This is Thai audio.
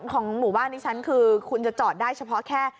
ของหมู่บ้านนี้ฉันคือคุณจะจอดได้เฉพาะแค่